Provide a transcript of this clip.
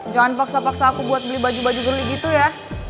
jangan paksa paksa aku buat beli baju baju gurih gitu ya